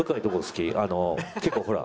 結構ほら。